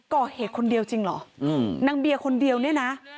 ก่อเหตุคนเดียวจริงเหรอนางเบียร์คนเดียวเนี่ยนะ